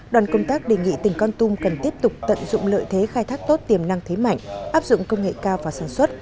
đoàn công tác đề nghị tỉnh con tum cần tiếp tục tận dụng lợi thế khai thác tốt tiềm năng thế mạnh áp dụng công nghệ cao và sản xuất